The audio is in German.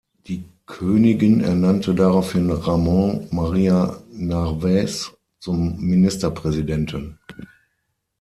Die Königin ernannte daraufhin Ramón María Narváez zum Ministerpräsidenten.